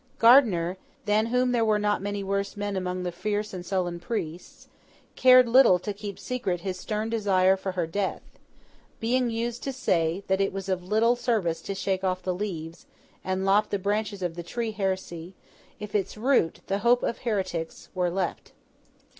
Gardiner, than whom there were not many worse men among the fierce and sullen priests, cared little to keep secret his stern desire for her death: being used to say that it was of little service to shake off the leaves, and lop the branches of the tree of heresy, if its root, the hope of heretics, were left.